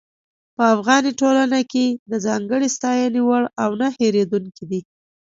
په افغاني ټولنه کې د ځانګړې ستاينې وړ او نۀ هېرېدونکي دي.